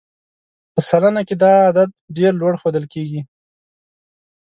په سلنه کې دا عدد ډېر لوړ ښودل کېږي.